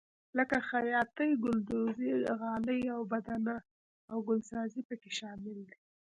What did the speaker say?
لکه خیاطي ګلدوزي غالۍ اوبدنه او ګلسازي پکې شامل دي.